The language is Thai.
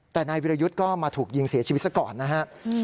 แต่นายวิรยุทธ์ก็มาถูกยิงเสียชีวิตซะก่อนนะฮะ